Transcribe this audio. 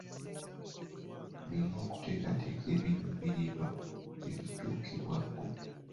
Olina okuteekateeka ebiruubirirwa ebituukibwako.